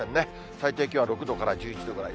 最低気温は６度から１１度ぐらい。